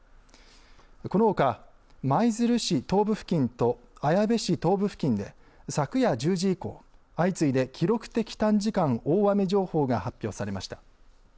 このほか、舞鶴市東部付近と綾部市東部付近で昨夜１０時以降、相次いで記録的短時間大雨情報が発表されました。